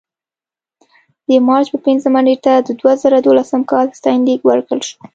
د مارچ په پنځمه نېټه د دوه زره دولسم کال ستاینلیک ورکړل شو.